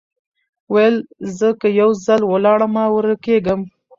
ویل زه که یو ځل ولاړمه ورکېږم